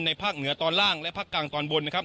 ภาคเหนือตอนล่างและภาคกลางตอนบนนะครับ